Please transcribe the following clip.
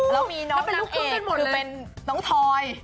แล้วมีน้องนางเอกคือเป็นน้องทอย